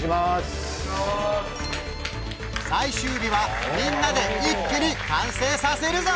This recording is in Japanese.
最終日はみんなで一気に完成させるぞ！